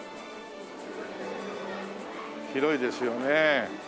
広いですよね。